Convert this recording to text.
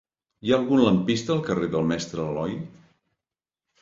Hi ha algun lampista al carrer del Mestre Aloi?